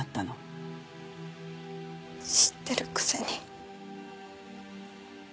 知ってるくせに。